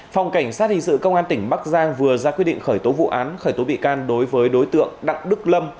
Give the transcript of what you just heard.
phòng cảnh sát hình sự công an tỉnh bắc giang vừa ra quyết định khởi tố vụ án khởi tố bị can đối với đối tượng đặng đức lâm